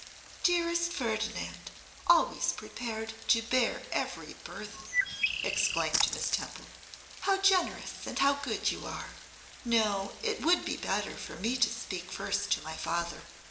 'Dearest Ferdinand, always prepared to bear every burthen!' exclaimed Miss Temple. 'How generous and good you are! No, it would be better for me to speak first to my father.